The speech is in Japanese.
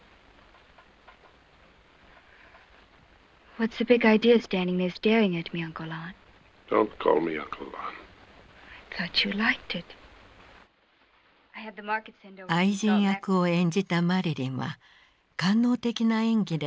愛人役を演じたマリリンは官能的な演技で強烈な印象を残した。